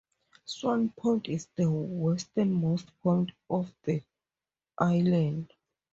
Swan Point is the westernmost point of the island.